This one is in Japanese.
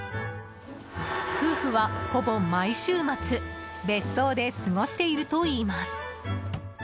夫婦は、ほぼ毎週末別荘で過ごしているといいます。